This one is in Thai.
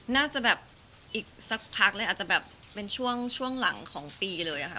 น่าจะแบบอีกสักพักเลยอาจจะแบบเป็นช่วงหลังของปีเลยอะค่ะ